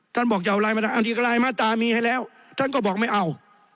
ท่านบอกจะเอารายมาด้านอื่นอีกรายมาตามีให้แล้วท่านก็บอกไม่เอา